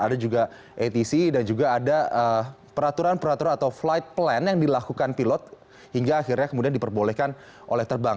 ada juga atc dan juga ada peraturan peraturan atau flight plan yang dilakukan pilot hingga akhirnya kemudian diperbolehkan oleh terbang